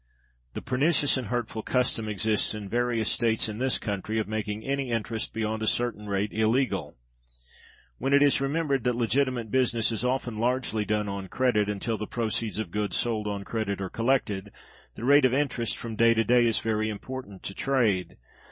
The pernicious and hurtful custom exists in various States in this country of making any interest beyond a certain rate illegal. When it is remembered that legitimate business is often largely done on credit—until the proceeds of goods sold on credit are collected—the rate of interest from day to day is very important to trade.